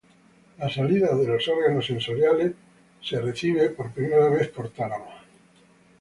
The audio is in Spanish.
La salida de los órganos sensoriales es recibida por primera vez por Tálamo.